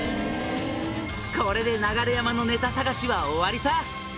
「これで流山のネタ探しは終わりさ！」